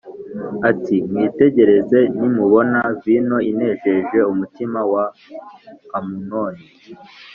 ati “Mwitegereze, nimubona vino inejeje umutima wa Amunoni